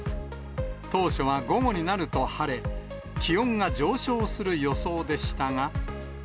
当初は午後になると晴れ、気温が上昇する予想でしたが。